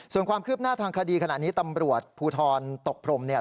ส่วนความคืบหน้าทางคดีขณะนี้ตำรวจภูทรตกพรมเนี่ย